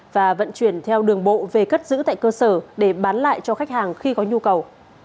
và vận chuyển theo đường bộ về cất giữ tại cơ sở để bán lại cho khách hàng khi có nhu cầu